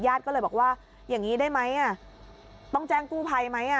ก็เลยบอกว่าอย่างนี้ได้ไหมต้องแจ้งกู้ภัยไหม